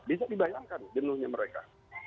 bisa dibayangkan jenuhnya mereka